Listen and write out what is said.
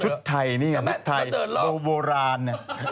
ชุดไทยโบราณ